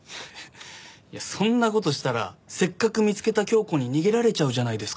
いやそんな事したらせっかく見つけたキョウコに逃げられちゃうじゃないですか。